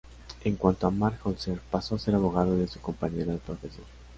En cuanto a Mark Holzer, pasó a ser abogado de su compañera de profesión.